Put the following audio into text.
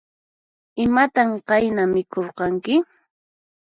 Imatan qayna mikhurqanki?